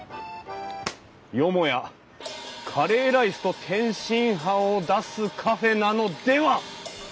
よもやカレーライスと天津飯を出すカフェなのでは！